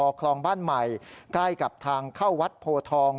คลองบ้านใหม่ใกล้กับทางเข้าวัดโพทอง